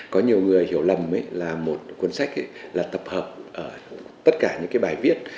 có nhiều người hiểu lầm là một cuốn sách là tập hợp tất cả những bài viết